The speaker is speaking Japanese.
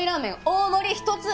大盛り１つ！